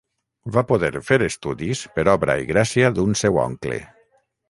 Va poder fer estudis per obra i gràcia d'un seu oncle.